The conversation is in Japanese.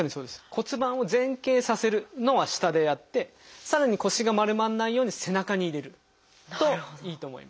骨盤を前傾させるのは下でやってさらに腰が丸まらないように背中に入れるといいと思います。